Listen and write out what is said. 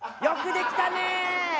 よくできた！